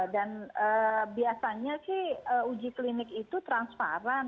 dan biasanya sih uji klinik itu transparan